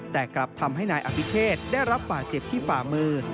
แต่กลับทำให้นายอภิเชษได้รับบาดเจ็บที่ฝ่ามือ